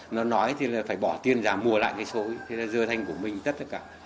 nó nói thì phải bỏ tiền ra mua lại cái số thế là rơi thành của mình tất tất cả